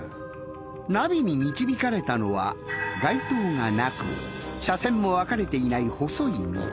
ナビに導かれたのは街灯がなく車線も分かれていない細い道。